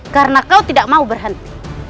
karena kau tidak mau berhenti